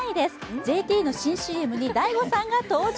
ＪＴの新ＣＭに大悟さんが登場。